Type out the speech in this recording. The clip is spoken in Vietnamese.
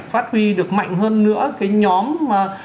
phát huy được mạnh hơn nữa cái nhóm